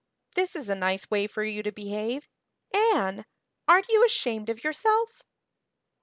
"This is a nice way for you to behave. Anne! Aren't you ashamed of yourself?"